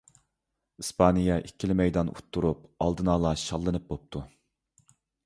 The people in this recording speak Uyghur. ئىسپانىيە ئىككىلا مەيدان ئۇتتۇرۇپ ئالدىنئالا شاللىنىپ بوپتۇ.